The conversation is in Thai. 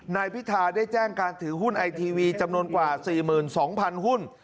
นายพิธาได้แจ้งการถือหุ้นไอทีวีจำนวนกว่า๔๒๐๐หุ้น